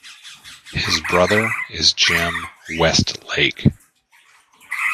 His brother is Jim Westlake.